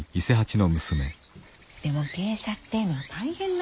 でも芸者ってえのは大変だよ。